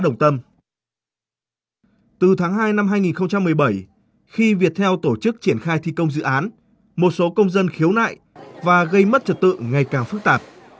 từ tháng hai năm hai nghìn một mươi bảy khi việt theo tổ chức triển khai thi công dự án một số công dân khiếu nại và gây mất trật tự ngày càng phức tạp